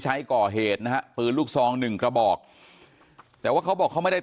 ใช้ก่อเหตุนะฮะปืนลูกซองหนึ่งกระบอกแต่ว่าเขาบอกเขาไม่ได้